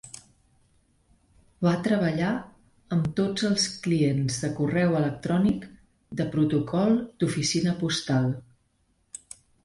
Va treballar amb tots els clients de correu electrònic de Protocol d'Oficina Postal.